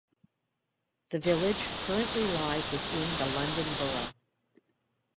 The village currently lies within the London Borough.